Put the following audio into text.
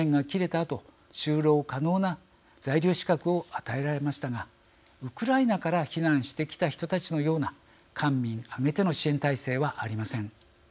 あと就労可能な在留資格を与えられましたがウクライナから避難してきた人たちのような官民挙げての支援態勢はありません。